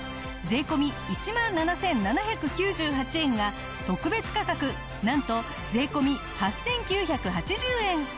税込１万７７９８円が特別価格なんと税込８９８０円！